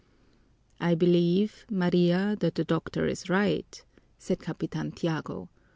"I believe, Maria, that the doctor is right," said Capitan Tiago.